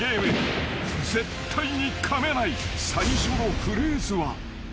［絶対にかめない最初のフレーズは］